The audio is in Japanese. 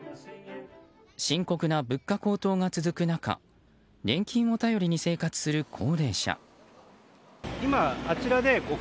深刻な物価高騰が続く中年金を頼りに生活する高齢者。